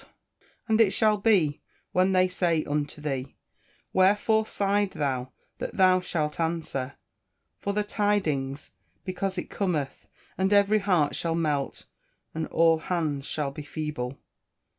[Verse: "And it shall be, when they say unto thee, Wherefore sighed thou that thou shalt answer, For the tidings, because it cometh; and every heart shall melt, and all hands shall be feeble."